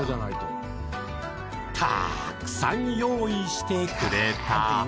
たくさん用意してくれた。